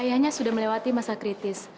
ayahnya sudah melewati masa kritis